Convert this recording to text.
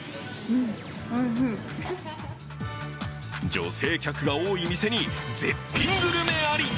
女性客が多い店に絶品グルメあり。